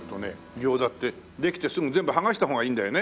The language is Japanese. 餃子ってできてすぐ全部剥がした方がいいんだよね。